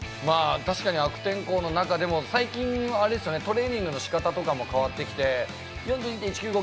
確かに悪天候の中でも最近トレーニングの仕方とかも変わってきて、４２．１９５